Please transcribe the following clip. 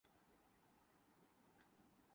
اور اس حوالے سے اکثر آپ نے